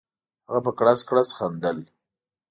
هغه په کړس کړس خندل.